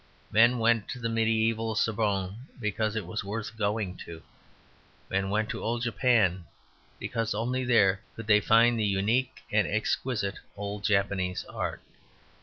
Men went to the mediaeval Sorbonne because it was worth going to. Men went to old Japan because only there could they find the unique and exquisite old Japanese art.